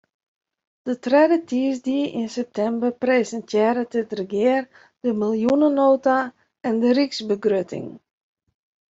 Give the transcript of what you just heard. De tredde tiisdeis yn septimber presintearret it regear de miljoenenota en de ryksbegrutting.